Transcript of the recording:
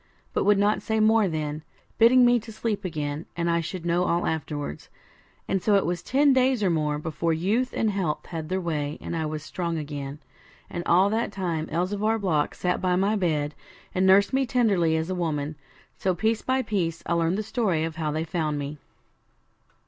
but would not say more then, bidding me get to sleep again, and I should know all afterwards. And so it was ten days or more before youth and health had their way, and I was strong again; and all that time Elzevir Block sat by my bed, and nursed me tenderly as a woman. So piece by piece I learned the story of how they found me.